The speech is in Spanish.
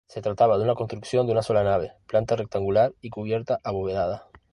Se trataba de una construcción de una sola nave, planta rectangular y cubierta abovedada.